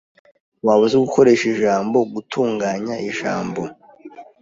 Waba uzi gukoresha ijambo gutunganya ijambo?